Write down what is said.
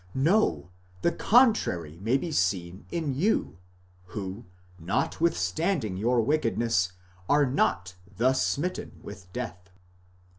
No! the contrary may be seen in you, who, not withstanding your wickedness, are not thus smitten with death.